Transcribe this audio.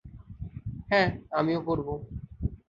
হ্যাঁ, আমিও পড়বো।